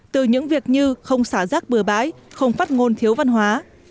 từ những việc như không xả rác bừa bãi không phát ngôn thiếu văn hóa